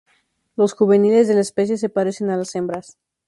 Los juveniles de la especie se parecen a las hembras.